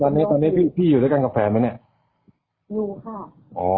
ตอนนี้ตอนนี้พี่พี่อยู่ด้วยกันกับแฟนไหมเนี่ยอยู่ค่ะอ๋อ